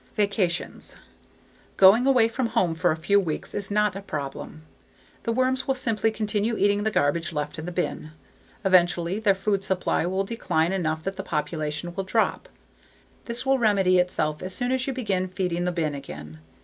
Vacations Going away from home for a few weeks is not a problem. The worms will simply continue eating the garbage left in the bin. Eventually their food supply will decline enough that the population will drop. This will remedy itself as soon as you begin feeding the bin again.